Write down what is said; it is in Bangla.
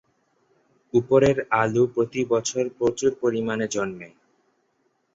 উপরের আলু প্রতি বছর প্রচুর পরিমানে জন্মে।